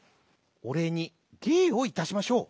おれいにげいをいたしましょう。